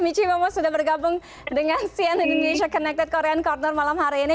michi bamo sudah bergabung dengan cnn indonesia connected korean corner malam hari ini